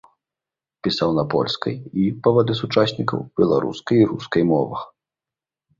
Пісаў на польскай і, паводле сучаснікаў, беларускай і рускай мовах.